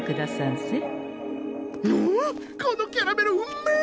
このキャラメルうめえ！